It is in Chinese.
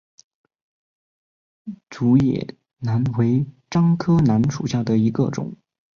竹叶楠为樟科楠属下的一个种。